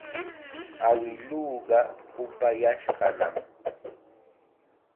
Awiluuqa upayashqanam.